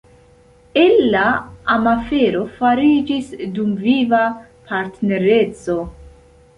El la amafero fariĝis dumviva partnereco.